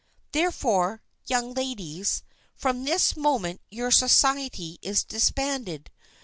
Therefore, young ladies, from this moment your society is disbanded.